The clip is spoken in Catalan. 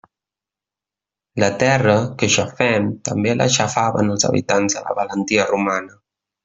La terra que xafem també la xafaven els habitants de la Valentia romana.